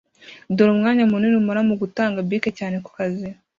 dore umwanya munini umara mugutanga, bike cyane kukazi